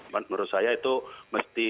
menurut saya itu mesti